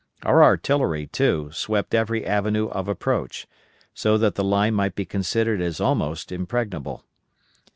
Our artillery, too, swept every avenue of approach, so that the line might be considered as almost impregnable.